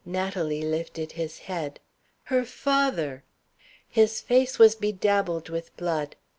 Natalie lifted his head. Her father! His face was bedabbled with blood.